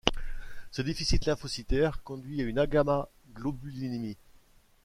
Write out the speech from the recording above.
Ce déficit lymphocytaire conduit à une agammaglobulinémie.